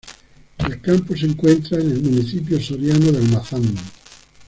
El campo se encuentra en el municipio soriano de Almazán.